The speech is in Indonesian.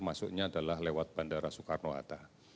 masuknya adalah lewat bandara soekarno hatta